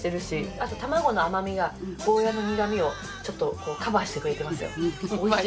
あと卵の甘みがゴーヤーの苦みをちょっとカバーしてくれてますよ。